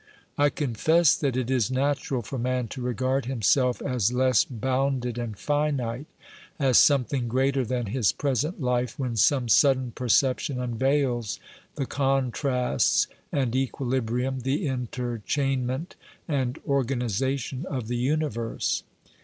I confess that it is natural for man to regard himself as less bounded and finite, as something greater than his present life, when some sudden perception unveils the contrasts and equilibrium, the interchainment and organi sation of the universe.